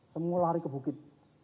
semua lari ke bukit